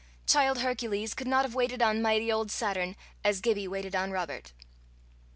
Child Hercules could not have waited on mighty old Saturn as Gibbie waited on Robert.